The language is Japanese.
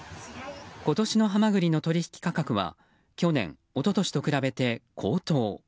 今年のハマグリの取引価格は去年、一昨年と比べて高騰。